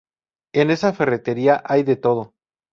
en esa ferretería hay de todo